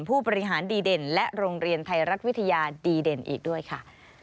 ผู้บริหารดีเด่นและโรงเรียนไทยรัฐวิทยาดีเด่นอีกด้วยค่ะ